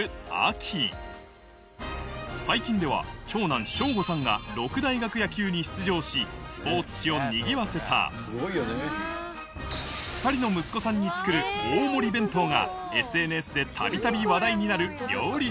最近ではが六大学野球に出場しスポーツ紙をにぎわせた２人の息子さんに作る大盛り弁当がＳＮＳで度々話題になる料理